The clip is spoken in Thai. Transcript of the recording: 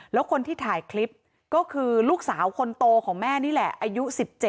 แล้วคนที่ถ่ายคลิปก็คือลูกสาวคนโตของแม่นี่แหละอายุ๑๗